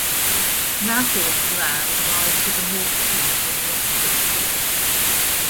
Nathorst Land lies to the northeast in the opposite shore.